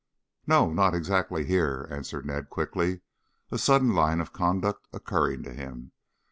"No, not exactly here," answered Ned quickly, a sudden line of conduct occurring to him.